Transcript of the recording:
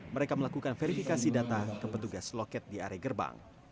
mereka melakukan verifikasi data ke petugas loket di area gerbang